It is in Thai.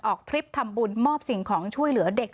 ทริปทำบุญมอบสิ่งของช่วยเหลือเด็ก